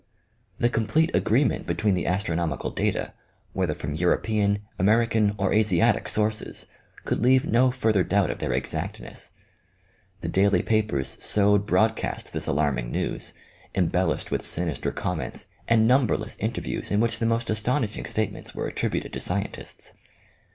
The complete agreement between the astronomical data, whether from European, American, or Asiatic sources, could leave no further doubt of their exactness. The daily OMEGA. 17 papers sowed broadcast this alarming news, embellished with sinister comments and numberless interviews in which the most astonishing statements were attributed to scientists.